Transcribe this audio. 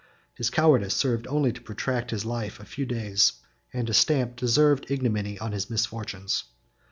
His cowardice served only to protract his life a few days, and to stamp deserved ignominy on his misfortunes.